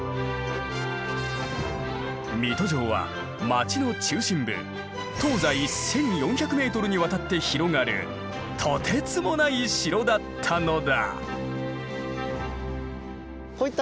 水戸城は町の中心部東西１４００ｍにわたって広がるとてつもない城だったのだ！